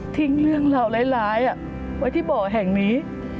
ทิ้งเรื่องเหล่าร้ายไว้ที่บ่อแห่งนี้